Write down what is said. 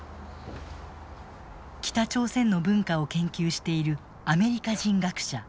北朝鮮の文化を研究しているアメリカ人学者